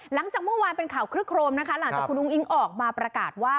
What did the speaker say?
หลังจากเมื่อวานเป็นข่าวคลึกโครมนะคะหลังจากคุณอุ้งอิ๊งออกมาประกาศว่า